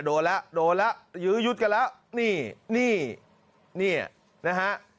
โดนแล้วโดนแล้วยื้อยุดกันแล้วนี่นี่นะฮะ